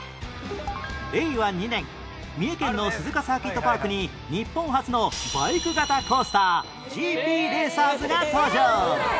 令和２年三重県の鈴鹿サーキットパークに日本初のバイク型コースター ＧＰＲＡＣＥＲＳ が登場